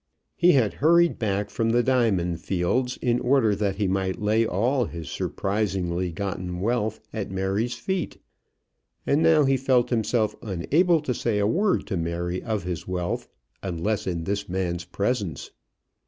He had hurried back from the diamond fields, in order that he might lay all his surprisingly gotten wealth at Mary's feet, and now he felt himself unable to say a word to Mary of his wealth, unless in this man's presence.